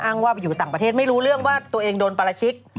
ว่าอยู่ต่างประเทศไม่รู้เรื่องว่าตัวเองโดนปราชิก